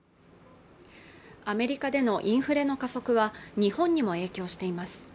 アメリカでのインフレの加速は日本にも影響しています